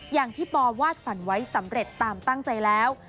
อย่างที่ปอวาดฝันไว้สำเร็จตามตั้งใจแล้ว